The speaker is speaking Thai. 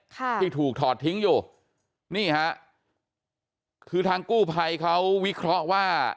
ค่ะที่ถูกถอดทิ้งอยู่นี่ฮะคือทางกู้ภัยเขาวิเคราะห์ว่า